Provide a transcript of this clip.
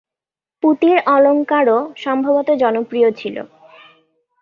পুঁতির অলঙ্কারও সম্ভবত জনপ্রিয় ছিল।